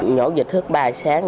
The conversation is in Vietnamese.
nhổ dịch hức ba sáng